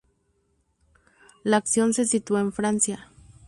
La acción se sitúa en Francia.